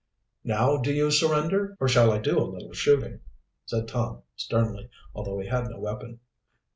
"Now do you surrender, or shall I do a little shooting?" said Tom sternly, although he had no weapon.